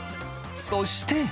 そして。